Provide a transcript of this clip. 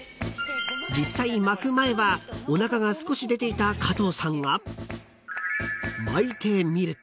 ［実際巻く前はおなかが少し出ていた加藤さんが巻いてみると］